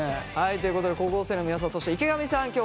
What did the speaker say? はいということで高校生の皆さんそして池上さん